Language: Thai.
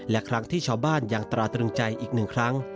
และครั้งที่ชาวบ้านยังตราตรึงใจอีกหนึ่งครั้ง